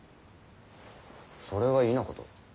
それは異なこと。